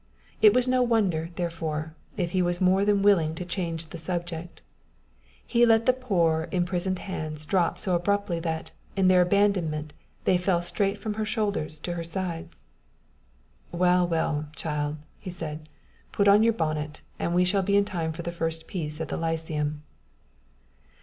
It was no wonder, therefore, if he was more than willing to change the subject. He let the poor, imprisoned hands drop so abruptly that, in their abandonment, they fell straight from her shoulders to her sides. "Well, well, child!" he said; "put on your bonnet, and we shall be in time for the first piece at the Lyceum."